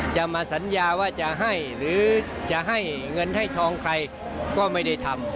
จะมาสัญญาว่าจะให้หรือจะให้เงินให้ทองใครก็ไม่ได้ทำ